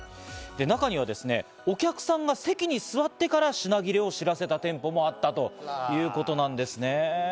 中にはお客さんが席に座ってから品切れを知らせた店舗もあったということなんですね。